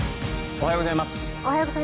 おはようございます。